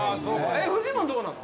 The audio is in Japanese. フジモンどうなの？